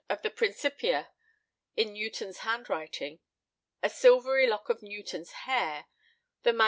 of the Principia in Newton's handwriting; a silvery lock of Newton's hair; the MS.